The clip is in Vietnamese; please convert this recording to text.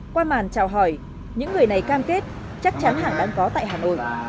qua màn trào hỏi những người này cam kết chắc chắn hàng đang có tại hà nội